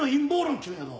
っちゅうんやぞ。